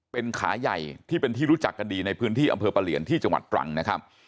เป็นขาใหญ่ที่เป็นที่รู้จักกันดีในพื้นที่อำเภอปะเหลียนที่จังหวัดตรังนะครับ